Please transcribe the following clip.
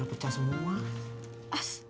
saya veterans di sana dari marin